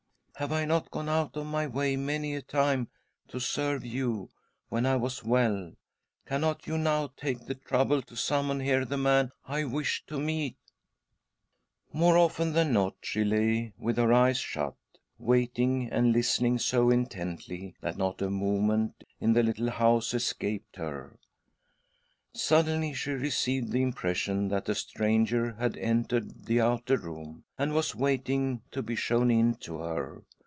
" Have I not gdne out of my way many a time to serve you when I was well, cannot you now take the trouble to summon here the man I wish to meet ?" More often than not she lay with her eyes shut, waiting and listening so intently that not a move ment in the little house escaped her. Suddenly she. received the impression that a stranger had entered the outer room, and was waiting to be shown in to her.